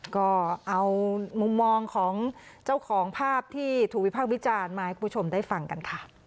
ก็เอามุมมองของเจ้าของภาพที่ถูกวิพากษ์วิจารณ์มาให้คุณผู้ชมได้ฟังกันค่ะ